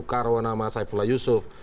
nama soekar nama saifullah yusuf